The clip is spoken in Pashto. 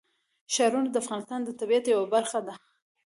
ښارونه د افغانستان د طبیعت یوه برخه ده.